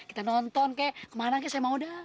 kita nonton ke kemana ke saya mau dah